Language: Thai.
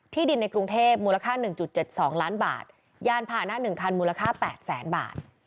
ที่ดินในกรุงเทพฯมูลค่า๑๗๒ล้านบาทย่านผ่านหน้า๑คันมูลค่า๘๐๐๐๐๐บาท